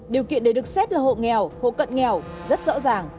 điều kiện để được xét là hộ nghèo hộ cận nghèo rất rõ ràng